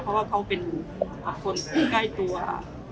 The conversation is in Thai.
เพราะว่าเขาเป็นคนใกล้ตัวค่ะ